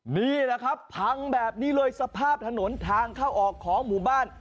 นี่แหละครับพังแบบนี้เลยสภาพถนนทางเข้าออกของหมู่บ้าน